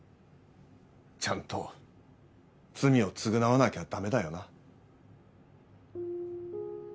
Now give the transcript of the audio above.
ちゃんと罪を償わなきゃ駄目だよな。